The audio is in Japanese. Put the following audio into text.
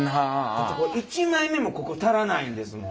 だってこれ１枚目もここ足らないんですもん。